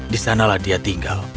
di sanalah dia tinggal